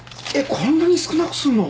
こんなに少なくするの？